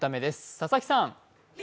佐々木さん。